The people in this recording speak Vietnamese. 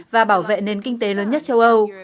và bảo vệ nền kinh tế lớn nhất châu âu